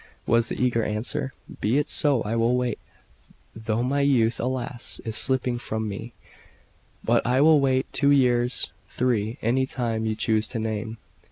was the eager answer. "Be it so. I will wait, though my youth, alas! is slipping from me; but I will wait two years, three any time you choose to name."